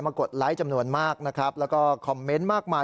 มากดไลค์จำนวนมากแล้วก็คอมเมนต์มากมาย